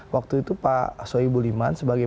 waktu itu pak soe ibu liman sebagai